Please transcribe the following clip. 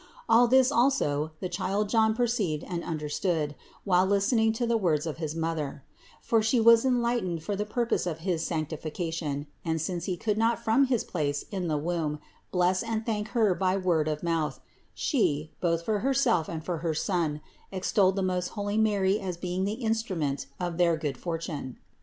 All this also the child John perceived and understood, while listen ing to the words of his mother; for she was enlight ened for the purpose of his sanctification, and since he could not from his place in the womb bless and thank her by word of mouth, she, both for herself and for her son, extolled the most holy Mary as being the in strument of their good fortune.